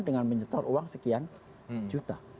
dengan menyetor uang sekian juta